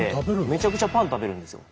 めちゃくちゃパン食べるんですよ。